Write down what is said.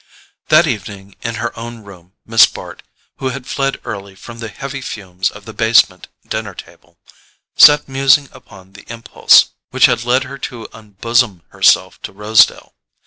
That evening in her own room Miss Bart—who had fled early from the heavy fumes of the basement dinner table—sat musing upon the impulse which had led her to unbosom herself to Rosedale.